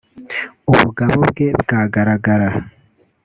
ubugabo bwe bwagaragara